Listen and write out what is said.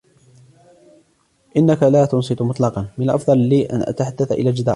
إنك لا تنصت مطلقاً. من الأفضل لي أن أتحدث إلى الجدار.